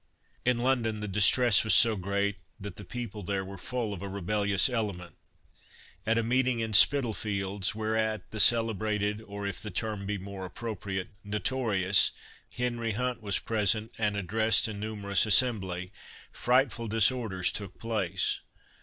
In London the distress was so great that the people there were full of a rebellious element; at a meeting in Spitalfields, whereat the celebrated, or, if the term be more appropriate, "notorious," Henry Hunt was present, and addressed a numerous assembly, frightful disorders took place.